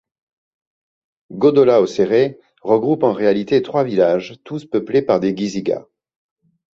Godola Hossere regroupe en réalité trois villages, tous peuplés par des Guiziga.